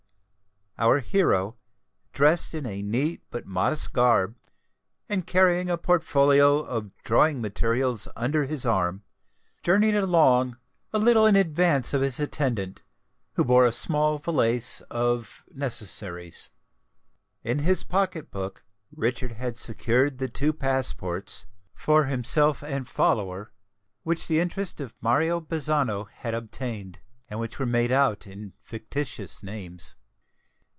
Our hero, dressed in a neat but modest garb, and carrying a portfolio of drawing materials under his arm, journeyed along a little in advance of his attendant, who bore a small valise of necessaries. In his pocket book Richard had secured the two passports, for himself and follower, which the interest of Mario Bazzano had obtained, and which were made out in fictitious names.